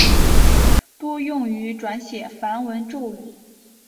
多用于转写梵文咒语。